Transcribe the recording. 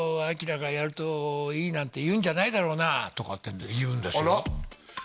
「いいなんて言うんじゃないだろうな」とかって言うんですよ